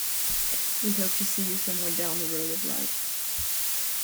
We hope to see you somewhere down the road of life.